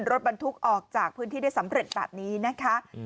รถบรรทุกออกจากพื้นที่ได้สำเร็จแบบนี้นะคะ